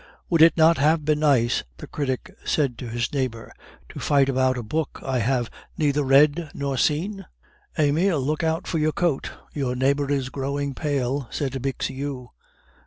"Would it not have been nice," the critic said to his neighbor, "to fight about a book I have neither read nor seen?" "Emile, look out for your coat; your neighbor is growing pale," said Bixiou.